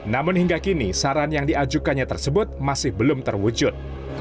namun hingga kini saran yang diajukannya tersebut masih belum terwujud